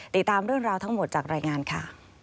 ติดตามเรื่องราวทั้งหมดจากรายงานค่ะ